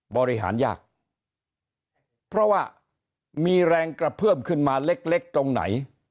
บริหารยากเพราะว่ามีแรงกระเพื่อมขึ้นมาเล็กเล็กตรงไหน